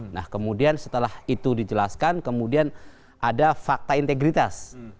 nah kemudian setelah itu dijelaskan kemudian ada fakta integritas